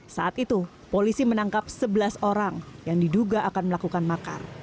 saat itu polisi menangkap sebelas orang yang diduga akan melakukan makar